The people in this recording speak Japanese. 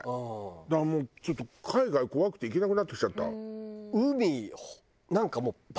だからもうちょっと海外怖くて行けなくなってきちゃった。